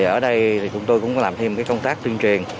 ở đây thì chúng tôi cũng làm thêm công tác tuyên truyền